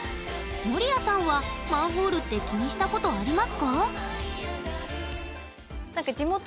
守屋さんはマンホールって気にしたことありますか？